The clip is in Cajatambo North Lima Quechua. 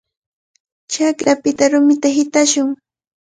Chakrapita rumita hitashun.